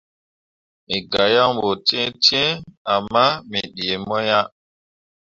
Me gah yaŋ ɓo cẽecẽe ama me ɗii mo ah.